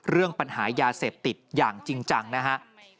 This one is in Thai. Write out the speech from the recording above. เรื่องปัญหายาเสพติดอย่างจริงจังนะฮะ